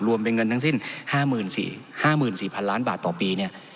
รวมเป็นเงินทั้งสิ้น๕๔๐๐ล้านบาทต่อปีเนี่ย